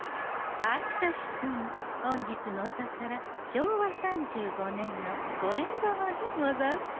はい確かに本日のお宝昭和３５年の五円玉でござんす。